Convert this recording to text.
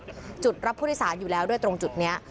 มีจุดรับพุทธศาสตร์อยู่แล้วด้วยตรงจุดนี้